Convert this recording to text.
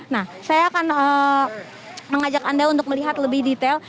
nah saya akan mengajak anda untuk melihat lebih detail